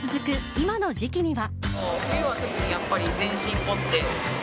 今の時期には。